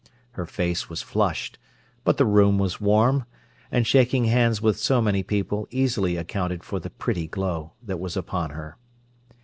Her face was flushed, but the room was warm; and shaking hands with so many people easily accounted for the pretty glow that was upon her.